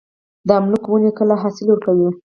د املوک ونې کله حاصل ورکوي؟